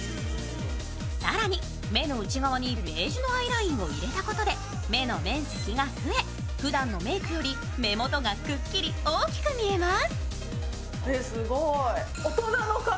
更に、目の内側にベージュのアイラインを入れたことで目の面積が増え、ふだんのメークより目元がくっきり大きく見えます。